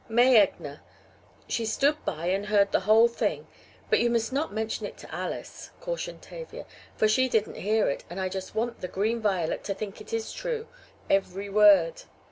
"May Egner. She stood by and heard the whole thing. But you must not mention it to Alice," cautioned Tavia, "for she didn't hear it, and I just want the Green Violet to think it is true, every word.